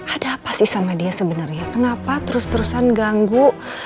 ada apa sih sama dia sebenarnya kenapa terus terusan ganggu